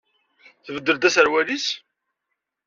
Tbeddel-d aserwal-is?